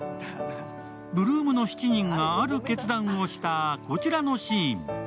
８ＬＯＯＭの７人がある決断をしたこちらのシーン。